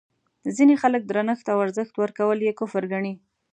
ځینې خلک درنښت او ارزښت ورکول یې کفر ګڼي.